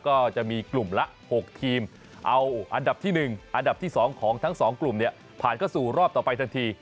ก็จะมีกลุ่มละ๖ทีมเอาอันดับที่๑อันดับที่๒ของทั้งสองกลุ่มเนี่ยผ่านเข้าสู่รอบต่อไปทันที